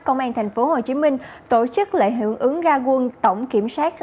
công an tp hcm tổ chức lễ hưởng ứng ra quân tổng kiểm soát